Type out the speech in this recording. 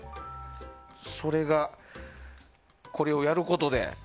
それがこれをやることで。